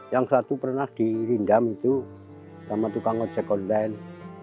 yang satu pernah di rindam itu sama tukang ojek online